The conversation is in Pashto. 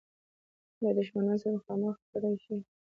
له دښمنانو سره مخامخ کړه شي.